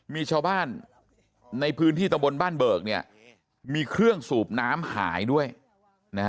มีชาวบ้านในพื้นที่ตะบนบ้านเบิกเนี่ยมีเครื่องสูบน้ำหายด้วยนะฮะ